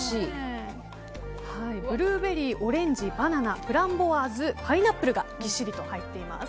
ブルーベリー、オレンジバナナフランボワーズ、パイナップルがぎっしりと入っています。